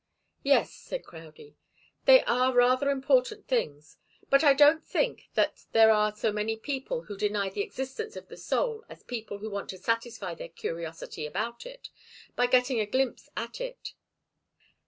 "Yes," said Crowdie, "they are rather important things. But I don't think that there are so many people who deny the existence of the soul as people who want to satisfy their curiosity about it, by getting a glimpse at it.